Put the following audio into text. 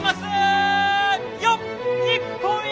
いよっ日本一！